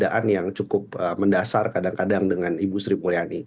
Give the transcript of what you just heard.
perbedaan yang cukup mendasar kadang kadang dengan ibu sri mulyani